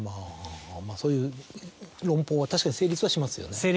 まぁそういう論法は確かに成立はしますよね。